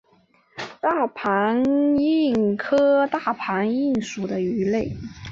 大盘䲟为䲟科大盘䲟属的鱼类。